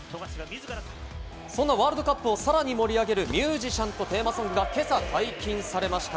そんなワールドカップをさらに盛り上げるミュージシャンのテーマソングが今朝解禁されました。